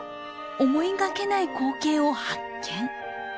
思いがけない光景を発見！